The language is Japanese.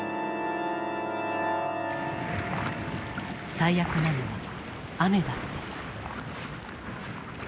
最悪なのは雨だった。